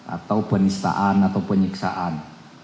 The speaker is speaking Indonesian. atau penistaan atau penyiksaan